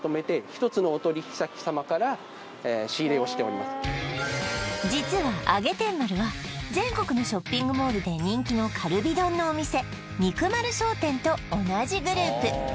当社は実は揚げ天まるは全国のショッピングモールで人気のカルビ丼のお店肉丸商店と同じグループ